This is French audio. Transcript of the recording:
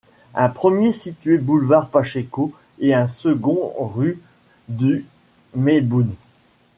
Un premier situé boulevard Pachéco et un second rue du Meilboom.